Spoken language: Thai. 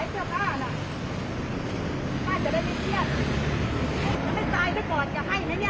จะได้ไม่เครียดถ้าไม่ตายก่อนจะให้ไหมเนี่ย